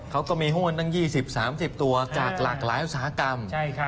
เขาก็มีหุ้นตั้ง๒๐๓๐ตัวจากหลากหลายอุตสาหกรรม